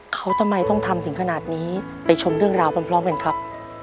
เขาทำไมต้องทำถึงขนาดนี้ไปชมเรื่องราวพร้อมกันครับ